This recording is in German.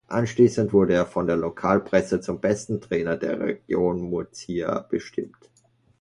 Anschließend wurde er von der Lokalpresse zum besten Trainer der Region Murcia bestimmt.